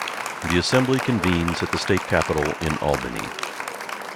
The Assembly convenes at the State Capitol in Albany.